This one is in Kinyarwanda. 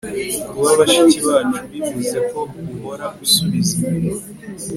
kuba bashiki bacu bivuze ko uhora usubiza inyuma